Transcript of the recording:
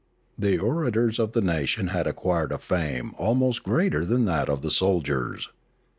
The orators of the nation had acquired a fame almost greater than that of the soldiers.